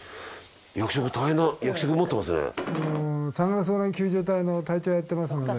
役職大変な役職持ってますね。